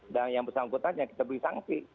dan yang bersangkutan yang kita beri sanksi